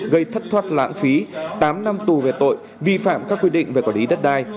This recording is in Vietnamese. gây thất thoát lãng phí tám năm tù về tội vi phạm các quy định về quản lý đất đai